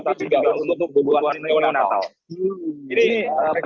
tapi juga untuk pembuatan neonatal